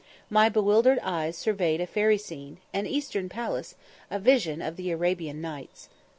My bewildered eyes surveyed a fairy scene, an eastern palace, a vision of the Arabian Nights.